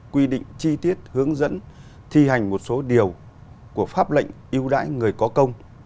quy định chi tiết hướng dẫn thi hành một số điều của pháp lệnh yêu đáy người có công